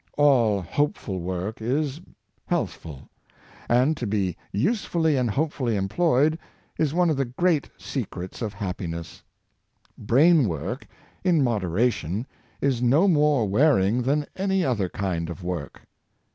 All hopeful work is healthful; and to be usefully and hopefully employed is one of the great secrets of happiness. Brain work, in moderation, is no more wearing than any other kind of work.